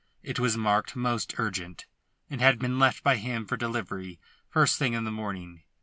It was marked "Most Urgent," and had been left by him for delivery first thing in the morning.